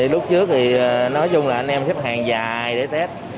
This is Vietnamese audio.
lúc trước thì nói chung là anh em xếp hàng dài để tết